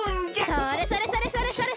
それそれそれそれそれ！